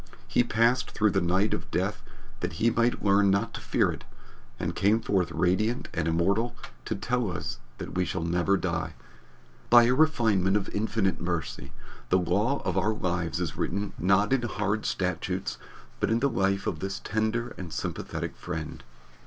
He passed through the night of death that he might learn not to fear it, and came forth radiant and immortal to tell us that we shall never die. By a refinement of infinite mercy, the law of our lives is written not in hard statutes but in the life of this tender and sympathetic friend.